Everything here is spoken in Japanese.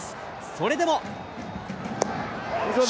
それでも。